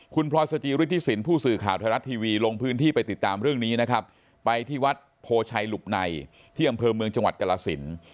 คุณพลอยสจิฤทธิสินผู้สื่อข่าวไทยรัฐทีวีลงพื้นที่ไปติดตามเรื่องนี้นะครับไปที่วัดโพชัยหลุบในที่อำเภอเมืองจังหวัดกรสิน